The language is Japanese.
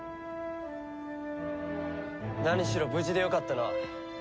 何しろ無事でよかったな。